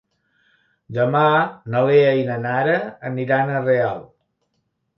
Demà na Lea i na Nara aniran a Real.